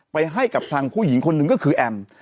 ให้กับทางผู้หญิงคนหนึ่งก็คือแอม